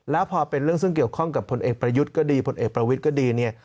แล้วพอเป็นเรื่องซึ่งเกี่ยวข้องกับผลเอกประยุทธ์ก็ดีผลเอกประวิทย์ก็ดีเนี่ย